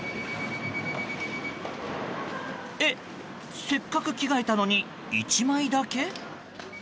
えっ、せっかく着替えたのに１枚だけ？